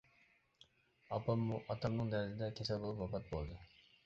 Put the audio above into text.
ئاپاممۇ ئاتامنىڭ دەردىدە كېسەل بولۇپ ۋاپات بولدى.